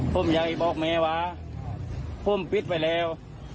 ผมอยากให้บอกไหมวะผมกูพี่ไปแล้ว